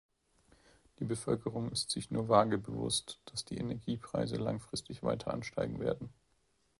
Die Bevölkerung ist sich nur vage bewusst, dass die Energiepreise langfristig weiter ansteigen werden.